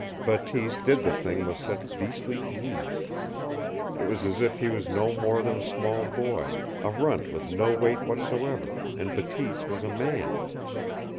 Bateese did the thing with such beastly ease. It was as if he was no more than a small boy, a runt with no weight whatever, and Bateese was a man.